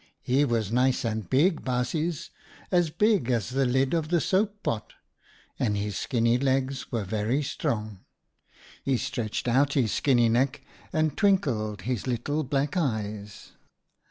He was nice and big, baasjes, as big as the lid of the soap pot, and his skinny legs were very strong. He stretched out his skinny neck and twinkled his little black eyes.